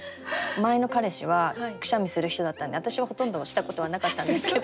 前の彼氏はくしゃみする人だったんで私はほとんどしたことはなかったんですけど。